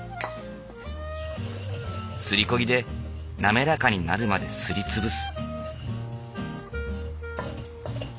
すりこ木で滑らかになるまですり潰す。